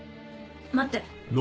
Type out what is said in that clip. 待って。